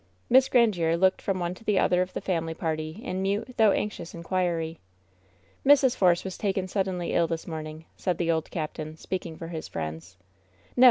Miss Grandiere looked from one to the other of the family party in mute, though anxious inquiry. "Mrs. Force was taken suddenly ill this morning,'^ said the old captain, speaking for his friends. "No!